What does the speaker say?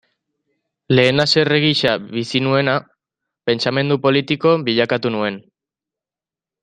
Lehen haserre gisa bizi nuena, pentsamendu politiko bilakatu nuen.